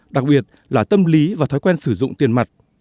đặc biệt là tâm lý và thói quen sử dụng tiền mặt